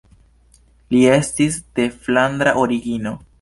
Li estis de flandra origino.